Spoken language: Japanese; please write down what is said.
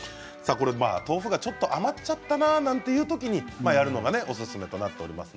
豆腐がちょっと余ってしまったなというときにやるのがおすすめだということです。